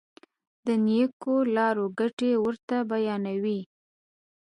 د نېکو لارو ګټې ورته بیانوي.